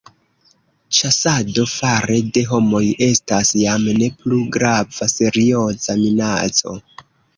Ĉasado fare de homoj estas jam ne plu grava serioza minaco.